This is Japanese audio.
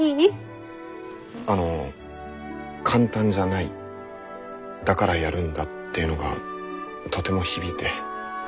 あの簡単じゃないだからやるんだっていうのがとても響いて。